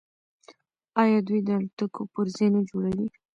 آیا دوی د الوتکو پرزې نه جوړوي؟